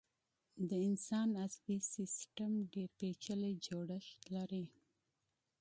د انسان عصبي سيستم ډېر پيچلی جوړښت لري.